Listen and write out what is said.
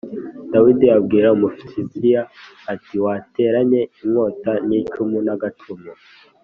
Dawidi abwira Umufilisitiya ati “Wanteranye inkota n’icumu n’agacumu